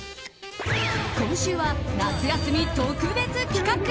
今週は夏休み特別企画。